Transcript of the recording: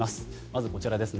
まずこちらです。